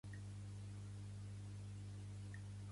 A on no va participar Torra?